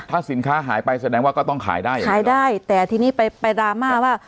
ถ้าสินค้าหายไปแสดงว่าก็ต้องขายได้ขายได้แต่ทีนี้ไปไปดราม่าว่า